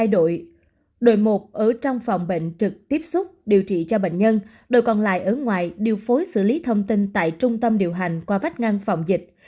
đội một ở trong phòng bệnh trực tiếp xúc điều trị cho bệnh nhân đội còn lại ở ngoài điều phối xử lý thông tin tại trung tâm điều hành qua vách ngăn phòng dịch